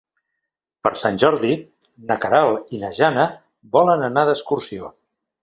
Per Sant Jordi na Queralt i na Jana volen anar d'excursió.